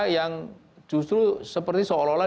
yang justru seperti seolah olah